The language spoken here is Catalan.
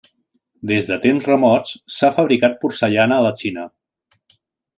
Des de temps remots s'ha fabricat porcellana a La Xina.